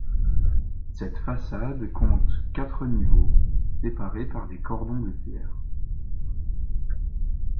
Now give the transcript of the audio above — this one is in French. Cette façade compte quatre niveaux, séparés par des cordons de pierre.